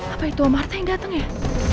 apa itu amarta yang datang ya